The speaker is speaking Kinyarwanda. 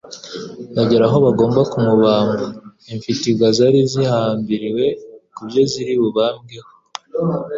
Bagera aho bagomba kumubamba, imfitngwa zari zihambiriwe ku byo ziri bubambweho.